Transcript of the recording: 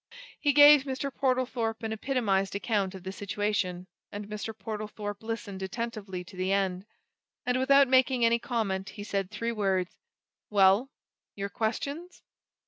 He gave Mr. Portlethorpe an epitomized account of the situation, and Mr. Portlethorpe listened attentively to the end. And without making any comment he said three words: "Well your questions?"